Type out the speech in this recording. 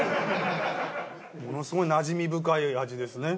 ものすごいなじみ深い味ですね。